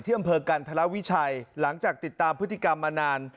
อำเภอกันธรวิชัยหลังจากติดตามพฤติกรรมมานาน